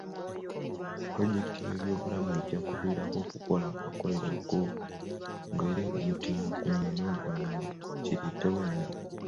Pulojekiti y'ebyobulimi ejja kiviirako okukola amakolero ag'ongera omutindo ku mmere n'oluvannyuma kireetawo emirimu.